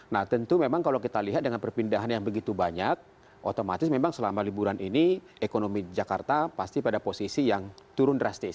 nah tentu memang kalau kita lihat dengan perpindahan yang begitu banyak otomatis memang selama liburan ini ekonomi jakarta pasti pada posisi yang turun drastis